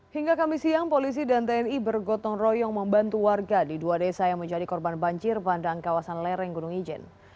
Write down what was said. hingga kami siang polisi dan tni bergotong royong membantu warga di dua desa yang menjadi korban banjir bandang kawasan lereng gunung ijen